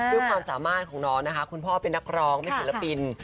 ด้วยความสามารถของน้องนะคะคุณพ่อเป็นนักร้องเป็นศิลปิน